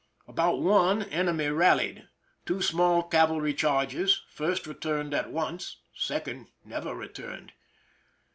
About 1, enemy rallied. Two small cavalry charges. First returned at once ; second never returned.